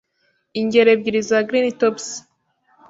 Ingero ebyiri za green tops,